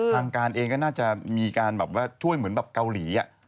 ทางการเองก็น่าจะมีการแบบว่าช่วยเหมือนแบบเกาหลี